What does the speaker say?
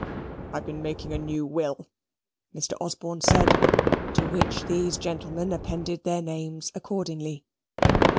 "I've been making a new will," Mr. Osborne said, to which these gentlemen appended their names accordingly.